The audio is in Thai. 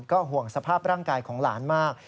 ห่วงสภาพร่างกายของหลานมาก